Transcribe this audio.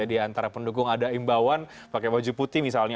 di antara pendukung ada imbauan pakai baju putih misalnya